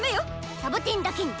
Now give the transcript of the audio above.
サボテンだけに！